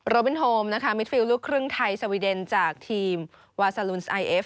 บินโฮมนะคะมิดฟิลลูกครึ่งไทยสวีเดนจากทีมวาซาลุนสไอเอฟ